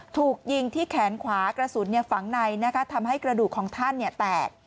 ถูกยิงที่แขนขวากระสุนเนี่ยฝังในนะคะทำให้กระดูกของท่านเนี่ยแตก